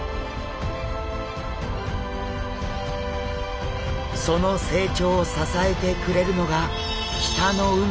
その成長を支えてくれるのが北の海の豊かさです。